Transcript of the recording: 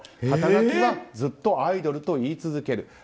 肩書はずっとアイドルと言い続ける。